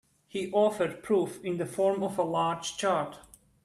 He offered proof in the form of a large chart.